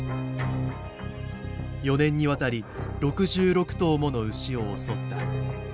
４年にわたり６６頭もの牛を襲った。